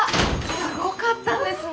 すごかったんですね